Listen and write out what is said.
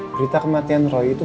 berita kematian roy itu